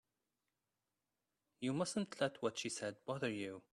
You mustn't let what she said bother you.